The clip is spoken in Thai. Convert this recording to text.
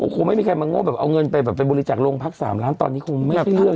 คงไม่มีใครมาโง่แบบเอาเงินไปแบบไปบริจาคโรงพัก๓ล้านตอนนี้คงไม่เอาเรื่อง